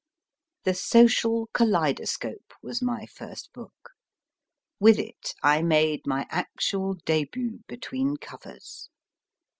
The Social Kaleidoscope was my first book. With it I made my actual debut between covers.